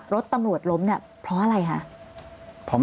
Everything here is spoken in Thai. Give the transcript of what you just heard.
รถตำรวจแล้วล่ะครับ